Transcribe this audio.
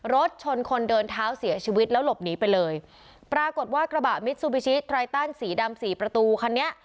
รถชนคนเดินเท้าเสียชีวิตแล้วหลบหนีไปเลยปรากฏว่ากระบะมิดซูบิชิไตรตันสีดำสี่ประตูคันนี้